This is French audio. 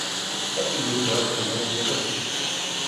Patrick Daughters est le réalisateur du clip.